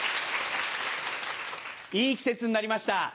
いい季節になりました。